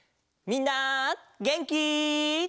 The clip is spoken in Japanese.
みんなげんき？